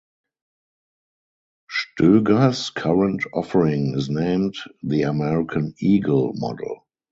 Stoeger's current offering is named the "American Eagle" model.